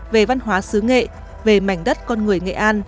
về văn hóa xứ nghệ về mảnh đất con người nghệ an